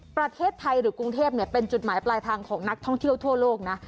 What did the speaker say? ประเทศไทยหรือกรุงเทพเป็นจุดหมายปลายทางของนักท่องเที่ยวทั่วโลกนะ